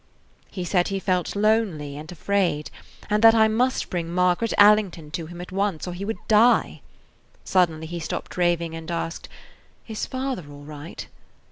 He said he felt lonely and afraid, and that I must bring Margaret Allington to him at once or he would die. Suddenly he stopped raving and asked, "Is father all right?"